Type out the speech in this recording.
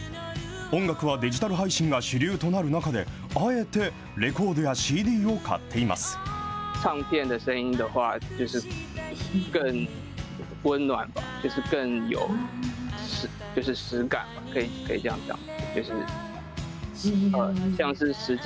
音楽はデジタル配信が主流となる中で、あえてレコードやＣＤを買っています。